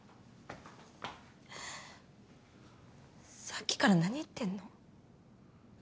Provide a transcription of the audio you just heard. さっきから何言ってんの？